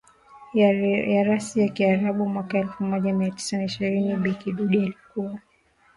ya rasi ya kiarabu mwaka elfu moja mia tisa na ishirini Bi Kidude alikuwa